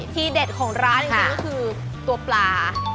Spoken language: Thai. ที่เด็ดของร้านนี้ก็คือตัวปลา